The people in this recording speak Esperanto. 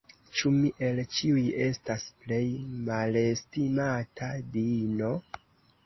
Ĉu mi el ĉiuj estas plej malestimata diino?